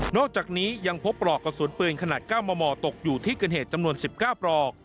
อกจากนี้ยังพบปลอกกระสุนปืนขนาด๙มมตกอยู่ที่เกิดเหตุจำนวน๑๙ปลอก